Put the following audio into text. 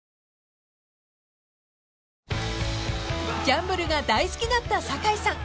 ［ギャンブルが大好きだった酒井さん］